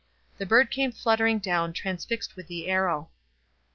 The bird came fluttering down, transfixed with the arrow.